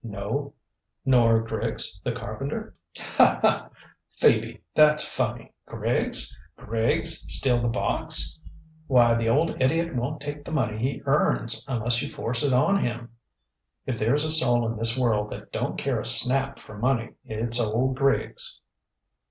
"No." "Nor Griggs the carpenter?" "Haw haw! Phoebe; that's funny. Griggs? Griggs steal the box? Why, the old idiot won't take the money he earns, unless you force it on him. If there's a soul in this world that don't care a snap for money, it's old Griggs."